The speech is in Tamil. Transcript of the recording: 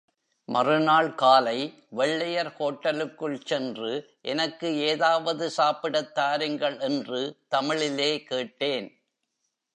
மறுநாள் காலை, வெள்ளையர் ஹோட்டலுக்குள் சென்று, எனக்கு ஏதாவது சாப்பிடத் தாருங்கள் என்று தமிழிலே கேட்டேன்.